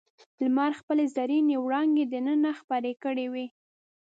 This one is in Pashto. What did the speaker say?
لمر خپلې زرینې وړانګې دننه خپرې کړې وې.